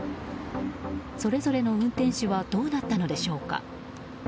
それぞれの運転手はどうなったのでしょうか。